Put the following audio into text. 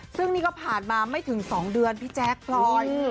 ซึ่งนี่ก็ผ่านมาไม่ถึง๒เดือนพี่แจ๊คพลอย